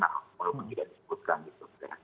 walaupun tidak disebutkan gitu